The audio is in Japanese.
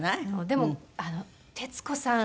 でも徹子さん